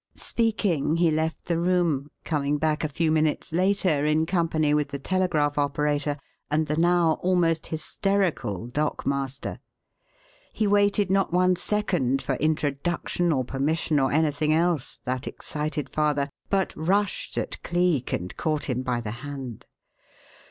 Speaking, he left the room, coming back a few minutes later in company with the telegraph operator and the now almost hysterical dock master. He waited not one second for introduction or permission or anything else, that excited father, but rushed at Cleek and caught him by the hand.